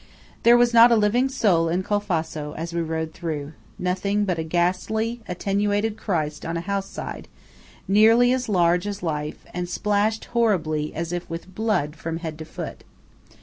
29 There was not a living soul in Colfosco as we rode through–nothing but a ghastly, attenuated Christ on a house side, nearly as large as life, and splashed horribly, as if with blood, from head to foot.